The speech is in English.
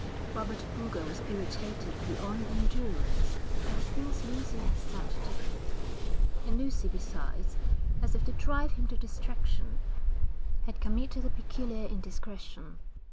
Robert Boulger was irritated beyond endurance by the things Lucy had said to him; and Lucy besides, as if to drive him to distraction, had committed a peculiar indiscretion.